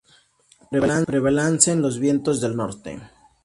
Prevalecen los vientos del norte.